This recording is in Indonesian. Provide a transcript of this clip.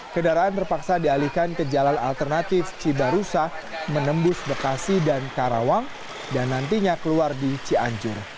kendaraan terpaksa dialihkan ke jalan alternatif cibarusa menembus bekasi dan karawang dan nantinya keluar di cianjur